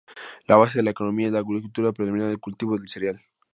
La base de la economía es la agricultura, predominando el cultivo del cereal.